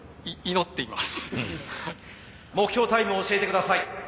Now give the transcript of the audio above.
目標タイムを教えてください。